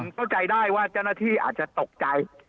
เข้าใจได้ว่าเจ้าหน้าที่อาจจะตกใจ